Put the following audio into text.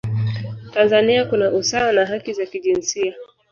tanzania kuna usawa na haki za kijinsia